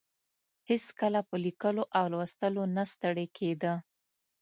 هېڅکله په لیکلو او لوستلو نه ستړې کیده.